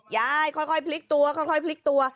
ค่อยพลิกตัวค่อยพลิกตัว